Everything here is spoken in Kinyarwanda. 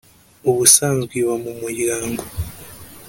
Ubusanzwe iba mu muryango